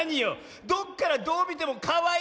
どっからどうみてもかわいいでしょ。